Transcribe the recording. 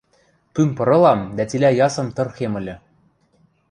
Пӱм пырылам дӓ цилӓ ясым тырхем ыльы...